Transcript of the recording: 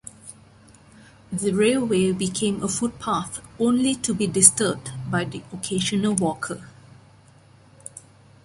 The railway became a footpath, only to be disturbed by the occasional walker.